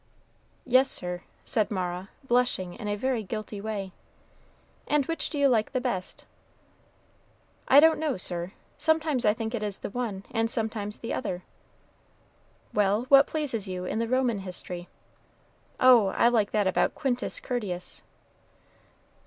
"Yes, sir," said Mara, blushing in a very guilty way. "And which do you like the best?" "I don't know, sir; I sometimes think it is the one, and sometimes the other." "Well, what pleases you in the Roman history?" "Oh, I like that about Quintus Curtius."